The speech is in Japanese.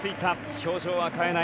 表情は変えない。